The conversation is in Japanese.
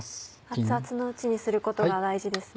熱々のうちにすることが大事ですね。